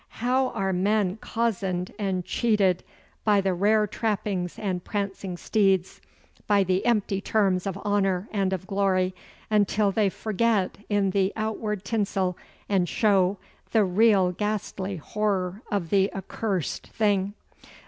How are men cozened and cheated by the rare trappings and prancing steeds, by the empty terms of honour and of glory, until they forget in the outward tinsel and show the real ghastly horror of the accursed thing!